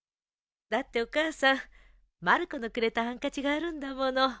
「だってお母さんまる子のくれたハンカチがあるんだもの」